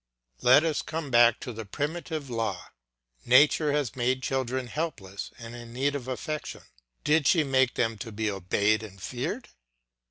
Let us come back to the primitive law. Nature has made children helpless and in need of affection; did she make them to be obeyed and feared?